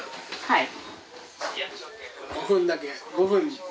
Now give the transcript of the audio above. はい。